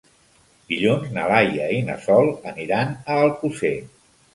Dilluns na Laia i na Sol aniran a Alcosser.